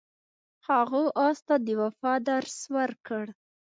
هغه اس ته د وفا درس ورکړ.